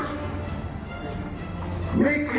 make indonesia great again